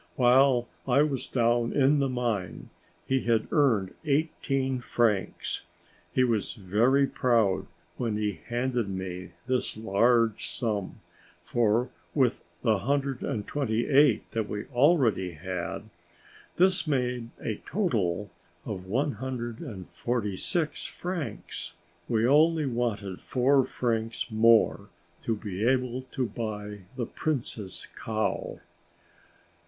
While I was down in the mine he had earned eighteen francs. He was very proud when he handed me this large sum, for with the hundred and twenty eight that we already had, this made a total of one hundred and forty six francs. We only wanted four francs more to be able to buy the Prince's cow.